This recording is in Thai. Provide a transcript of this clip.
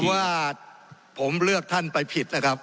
ว่าผมเลือกท่านไปผิดนะครับ